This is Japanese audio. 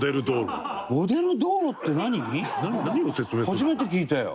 初めて聞いたよ。